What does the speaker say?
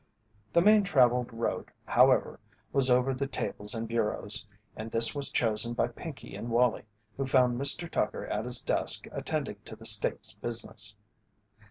The main travelled road, however, was over the tables and bureaus, and this was chosen by Pinkey and Wallie, who found Mr. Tucker at his desk attending to the State's business.